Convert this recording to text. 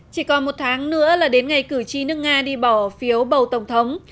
chỉ còn một tháng nữa là đến ngày cử tri nước nga đi bỏ phiếu bầu tổng thống